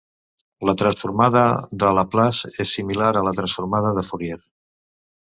La transformada de Laplace és similar a la transformada de Fourier.